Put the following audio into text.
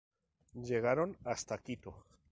Llegaron hasta Quito.